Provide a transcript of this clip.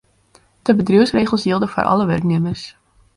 De bedriuwsregels jilde foar alle wurknimmers.